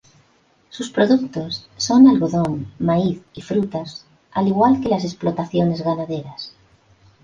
Sus productos son algodón, maíz y frutas al igual que las explotaciones ganaderas.